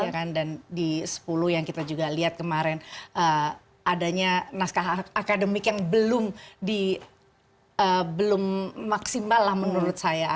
ya kan dan di sepuluh yang kita juga lihat kemarin adanya naskah akademik yang belum maksimal lah menurut saya